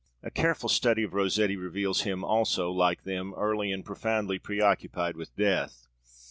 A careful study of Rossetti reveals him also, like them, early and profoundly preoccupied with death.